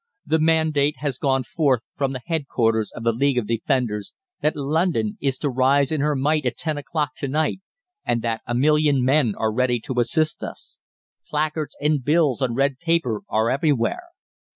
The mandate has gone forth from the headquarters of the League of Defenders that London is to rise in her might at ten o'clock to night, and that a million men are ready to assist us. Placards and bills on red paper are everywhere.